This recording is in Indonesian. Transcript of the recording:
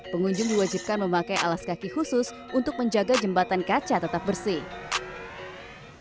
pengunjung diwajibkan memakai alas kaki khusus untuk menjaga jembatan kaca tetap bersih